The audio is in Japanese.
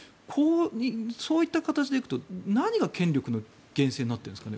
そういった形で行くと何が権力の源泉になっているんですかね。